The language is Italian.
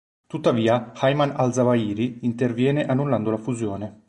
Tuttavia Ayman al-Zawahiri, interviene annullando la fusione.